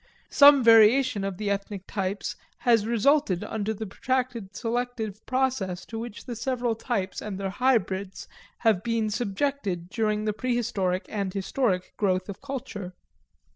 Some variation of the ethnic types has resulted under the protracted selective process to which the several types and their hybrids have been subjected during the prehistoric and historic growth of culture.